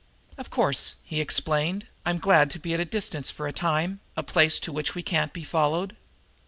"Of course," he explained, "I'm glad to be at a distance for a time a place to which we can't be followed."